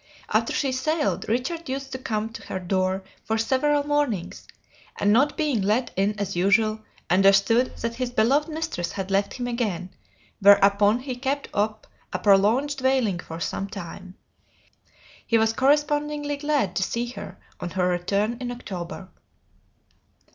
After she sailed, Richard used to come to her door for several mornings, and not being let in as usual, understood that his beloved mistress had left him again, whereupon he kept up a prolonged wailing for some time. He was correspondingly glad to see her on her return in October.